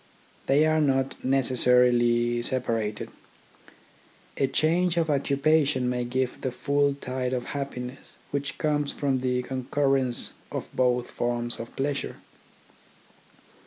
They are not neces sarily separated. A change of occupation may give the full tide of happiness which comes from the concurrence of both forms of pleasure.